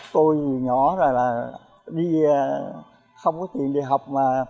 tôi nhỏ rồi là không có tiền đi học